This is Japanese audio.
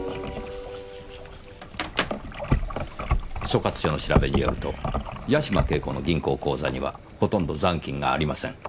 所轄署の調べによると八島景子の銀行口座にはほとんど残金がありません。